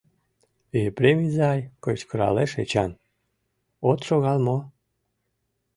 — Епрем изай, — кычкыралеш Эчан, — от шогал мо?